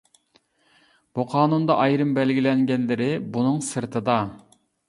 بۇ قانۇندا ئايرىم بەلگىلەنگەنلىرى بۇنىڭ سىرتىدا.